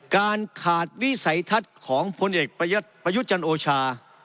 การขาดวิสัยทัศน์ของพลเอกประยุทธ์จันทร์โอชา